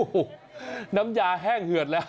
โอ้โหน้ำยาแห้งเหือดแล้ว